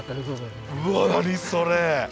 うわ何それ。